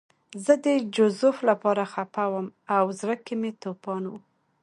زه د جوزف لپاره خپه وم او زړه کې مې توپان و